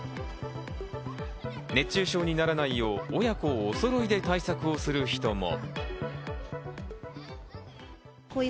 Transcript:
熱中症にならないよう親子お揃いで対策をする人も。